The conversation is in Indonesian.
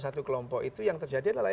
satu kelompok itu yang terjadi adalah